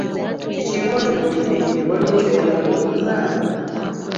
Kiki ng’ontunuulidde nnyo? Waliwo ky'oyagala okungamba?